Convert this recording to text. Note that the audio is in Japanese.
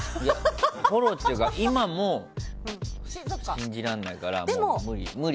フォローっていうか今も信じられないから、もう無理。